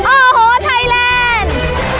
โอ้โหไทยแลนด์